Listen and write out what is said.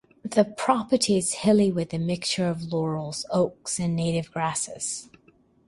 The property is hilly with a mixture of laurels, oaks and native grasses.